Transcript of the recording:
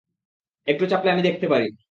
একটু চাপলে আমি দেখতে পারি।